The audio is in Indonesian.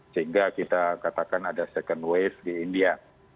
sehingga kita katakan ada second wave di india